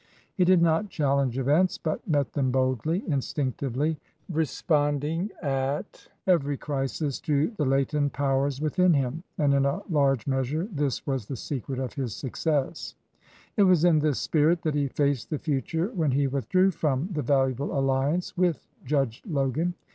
He did not challenge events, but met them boldly, instinctively responding at 135 HEAD OF A LAW FIRM every crisis to the latent powers within him; and in a large measure this was the secret of his suc cess. It was in this spirit that he faced the future when he withdrew from the valuable alliance with Judge Logan.